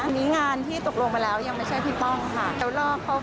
อันนี้งานที่ตกลงไปแล้วยังไม่ใช่พี่ป้องค่ะ